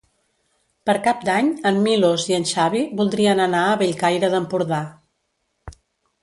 Per Cap d'Any en Milos i en Xavi voldrien anar a Bellcaire d'Empordà.